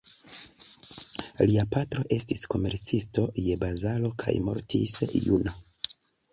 Lia patro estis komercisto je bazaro kaj mortis juna.